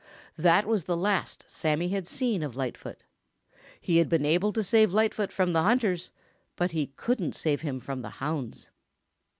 That was the last Sammy had seen of Lightfoot. He had been able to save Lightfoot from the hunters, but he couldn't save him from the hounds.